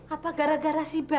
apa gara gara si bajaj ya pak